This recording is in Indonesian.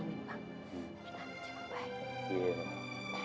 amit amit juga baik